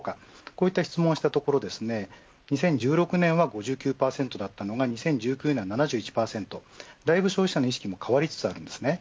こういった質問をしたところ２０１６年は５９％だったのが２０１９年は７１％だいぶ消費者の意識も変わりつつあります。